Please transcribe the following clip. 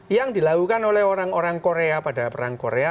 yang dilakukan oleh orang orang korea pada perang korea